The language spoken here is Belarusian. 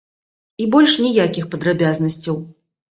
І больш ніякіх падрабязнасцяў.